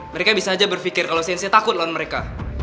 mereka bisa aja berfikir kalau sensei takut lawan mereka